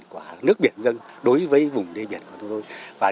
quả nước biển dân đối với vùng đầy biển của chúng tôi